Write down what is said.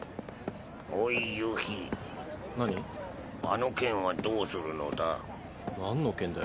あの件はどうするのだ？